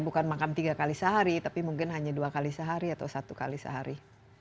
bukan makam tiga kali sehari tapi mungkin hanya dua kali sehari atau satu kali sehari